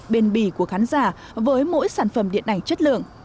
bền bì của khán giả với mỗi sản phẩm điện ảnh chất lượng